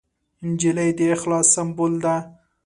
نجلۍ د اخلاص سمبول ده.